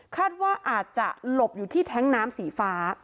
คาดว่าอาจจะหลบอยู่ที่แท้งน้ำสีฟ้า